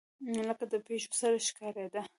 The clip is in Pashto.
لکه د پيشو سر ښکارېدۀ